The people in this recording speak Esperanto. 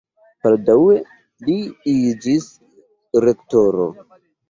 Baldaŭe li iĝis rektoro.